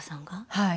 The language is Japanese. はい。